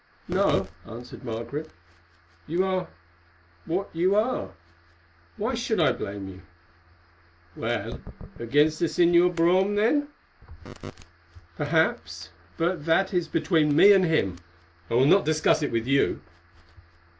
"No," answered Margaret, "you are—what you are; why should I blame you?" "Well, against the Señor Brome then?" "Perhaps, but that is between me and him. I will not discuss it with you."